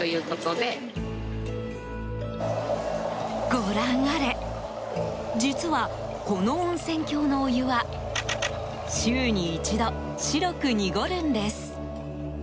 ご覧あれ実は、この温泉郷のお湯は週に一度、白く濁るんです。